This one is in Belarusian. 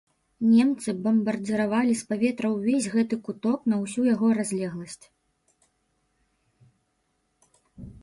Немцы бамбардзіравалі з паветра ўвесь гэты куток на ўсю яго разлегласць.